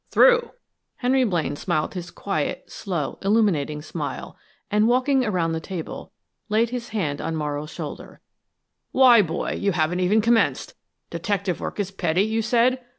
"Through?" Henry Blaine smiled his quiet, slow, illuminating smile, and walking around the table, laid his hand on Morrow's shoulder. "Why, boy, you haven't even commenced. Detective work is 'petty,' you said?